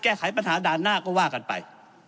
แก้ไขปัญหาด่านหน้าก็ว่ากันไป